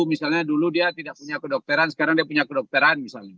misalnya dulu dia tidak punya kedokteran sekarang dia punya kedokteran misalnya